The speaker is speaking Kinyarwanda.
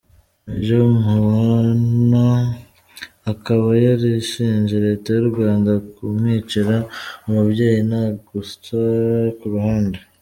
Major Nkubana akaba yarashinje Leta y’u Rwanda kumwicira umubyeyi nta guca ku ruhande.